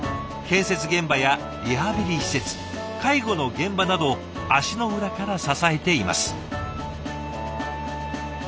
建設現場やリハビリ施設介護の現場などを足の裏から支えています。